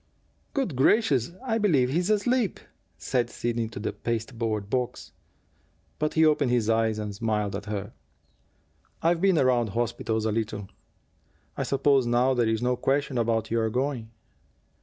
"Good gracious, I believe he's asleep!" said Sidney to the pasteboard box. But he opened his eyes and smiled at her. "I've been around hospitals a little. I suppose now there is no question about your going?"